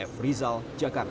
f rizal jakarta